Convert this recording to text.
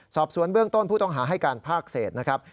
สอบสวนเบื้องต้นผู้ต้องหาให้การภาคเศษนะครับ